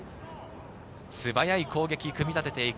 素早い攻撃を組み立てていく。